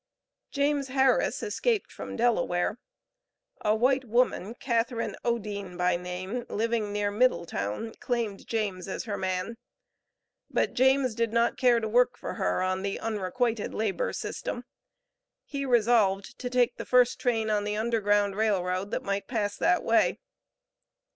James Harris escaped from Delaware. A white woman, Catharine Odine by name, living near Middletown, claimed James as her man; but James did not care to work for her on the unrequited labor system. He resolved to take the first train on the Underground Rail Road that might pass that way.